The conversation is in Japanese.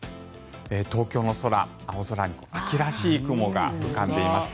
東京の空、青空に秋らしい雲が浮かんでいます。